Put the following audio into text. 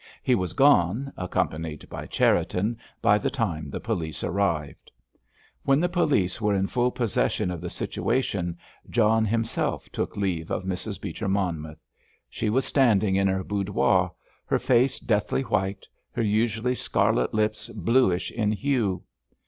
He was gone, accompanied by Cherriton, by the time the police appeared. When the police were in full possession of the situation John himself took leave of Mrs. Beecher Monmouth. She was standing in her boudoir, her face deathly white, her usually scarlet lips bluish in hue.